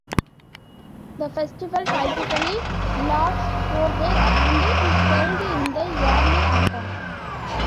The festival typically lasts four days and is held in the early autumn.